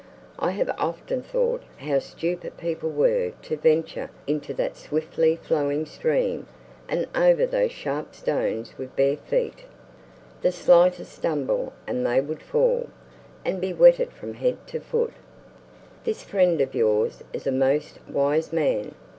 "I have often thought how stupid people were to venture into that swiftly flowing stream and over those sharp stones with bare feet. The slightest stumble and they would fall, and be wetted from head to foot. This friend of yours is a most wise man.